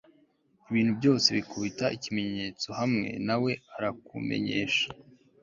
ibintu byose bikubita ikimenyetso hamwe nawe arakumenyesha